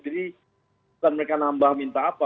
jadi bukan mereka nambah minta apa